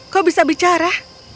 kau bisa bicara